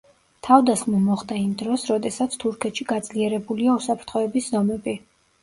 თავდასხმა მოხდა იმ დროს, როდესაც თურქეთში გაძლიერებულია უსაფრთხოების ზომები.